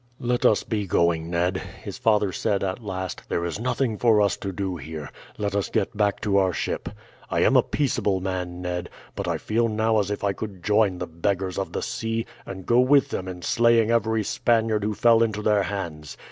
"Let us be going, Ned," his father said at last; "there is nothing for us to do here, let us get back to our ship. I am a peaceable man, Ned, but I feel now as if I could join the beggars of the sea, and go with them in slaying every Spaniard who fell into their hands.